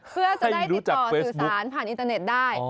เพื่อจะได้ติดต่อสื่อสารผ่านอินเตอร์เน็ตได้